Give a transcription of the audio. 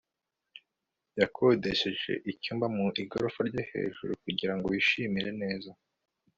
yakodesheje icyumba mu igorofa yo hejuru kugira ngo yishimire neza